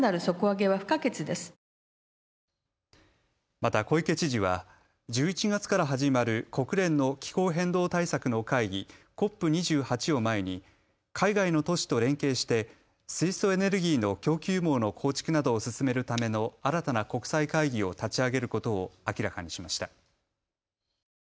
また小池知事は１１月から始まる国連の気候変動対策の会議ＣＯＰ２８を前に海外の都市と連携して水素エネルギーの供給網の構築などを進めるための新たな国際会議を立ち上げることを明らかにしました。